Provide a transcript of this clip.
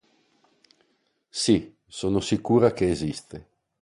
Sì, sono sicura che esiste.